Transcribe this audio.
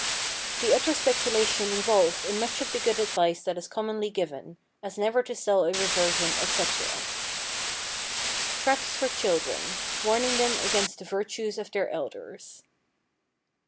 The Utter Speculation involved in much of the good advice that is commonly given—as never to sell a reversion, etc. Tracts for Children, warning them against the virtues of their elders.